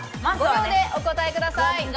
５秒でお答えください。